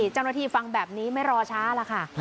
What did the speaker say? เจ้าหน้าที่ฟังแบบนี้ไม่รอช้าล่ะค่ะ